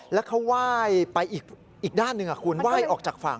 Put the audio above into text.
แล้วเขาไหว้ไปอีกด้านหนึ่งคุณไหว้ออกจากฝั่ง